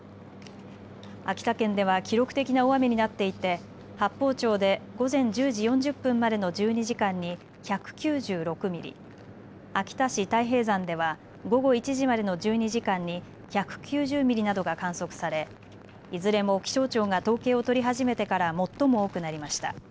秋田県では記録的な大雨になっていて八峰町で午前１０時４０分までの１２時間に１９６ミリ、秋田市太平山では午後１時までの１２時間に１９０ミリなどが観測されいずれも気象庁が統計を取り始めてから最も多くなりました。